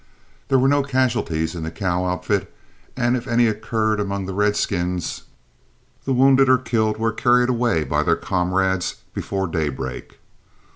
There were no casualties in the cow outfit, and if any occurred among the redskins, the wounded or killed were carried away by their comrades before daybreak.